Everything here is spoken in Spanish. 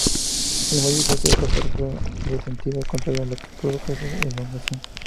El muelle ejerce otra fuerza de sentido contrario a la que provoca esa elongación.